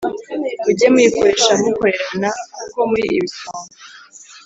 mujye muyikoresha mukorerana, kuko muri ibisonga